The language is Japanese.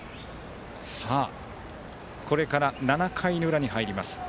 これから７回の裏に入ります。